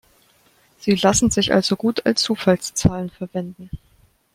Sie lassen sich also gut als Zufallszahlen verwenden.